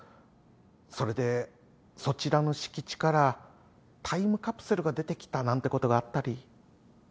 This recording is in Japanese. それでそちらの敷地からタイムカプセルが出てきたなんてことがあったり。